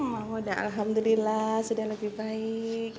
mama udah alhamdulillah sudah lebih baik